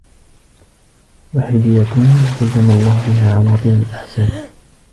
وَحِلْيَةٌ زَيَّنَ اللَّهُ بِهَا عَوَاطِلَ الْأَحْسَابِ